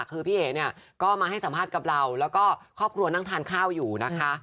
คือพี่เอ๋เนี่ยก็มาให้สัมภาษณ์กับเราแล้วก็ครอบครัวนั่งทานข้าวอยู่นะคะ